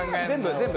全部？